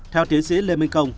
theo tiến sĩ lê minh công